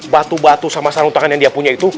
batu batu sama sarung tangan yang dia punya itu